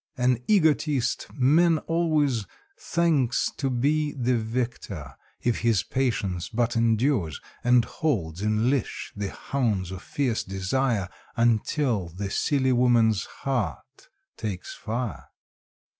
(An egotist, man always thinks to be The victor, if his patience but endures, And holds in leash the hounds of fierce desire, Until the silly woman's heart takes fire.)